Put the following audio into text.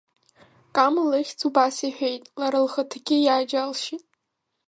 Кама лыхьӡ убас иҳәеит, лара лхаҭагьы иааџьалшьеит.